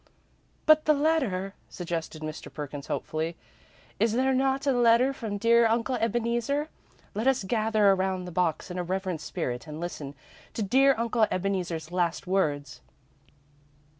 "But the letter," suggested Mr. Perkins, hopefully. "Is there not a letter from dear Uncle Ebeneezer? Let us gather around the box in a reverent spirit and listen to dear Uncle Ebeneezer's last words."